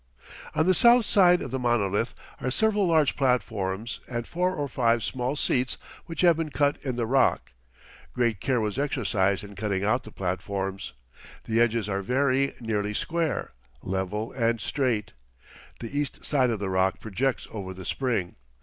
On the south side of the monolith are several large platforms and four or five small seats which have been cut in the rock. Great care was exercised in cutting out the platforms. The edges are very nearly square, level, and straight. The east side of the rock projects over the spring.